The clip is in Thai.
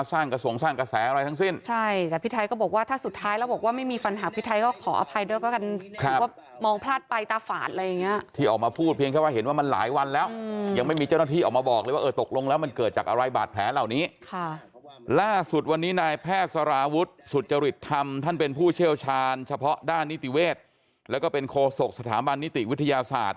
สร้างกระแสอะไรทั้งสิ้นใช่แต่พี่ไทยก็บอกว่าถ้าสุดท้ายแล้วบอกว่าไม่มีฟันหักพี่ไทยก็ขออภัยด้วยก็กันหรือว่ามองพลาดไปตาฝาดอะไรอย่างเงี้ยที่ออกมาพูดเพียงแค่ว่าเห็นว่ามันหลายวันแล้วอืมยังไม่มีเจ้าหน้าที่ออกมาบอกเลยว่าเออตกลงแล้วมันเกิดจากอะไรบาดแผลเหล่านี้ค่ะล่าสุดวันนี้นายแพทย